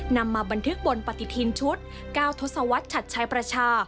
นำมาบันทึกบนปฏิทินชุด๙ทศวรรษชัดชัยประชา